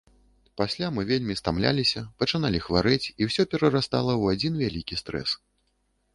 Пасля мы вельмі стамляліся, пачыналі хварэць, і ўсё перарастала ў адзін вялікі стрэс.